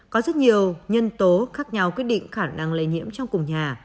có rất nhiều nhân tố khác nhau quyết định khả năng lây nhiễm trong cùng nhà